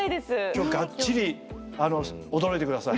今日がっちり驚いてください。